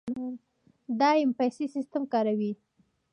د ایم پیسه سیستم کار کوي؟